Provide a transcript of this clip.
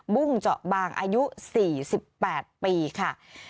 บุ้งเจาะบางอายุ๔๘ปีค่ะ